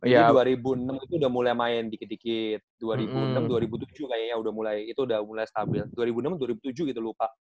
jadi dua ribu enam itu udah mulai main dikit dikit dua ribu enam dua ribu tujuh kayaknya udah mulai stabil dua ribu enam dua ribu tujuh gitu lupa